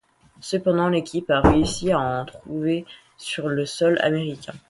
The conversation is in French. Cependant, l'équipe a réussi à en trouver sur le sol américain.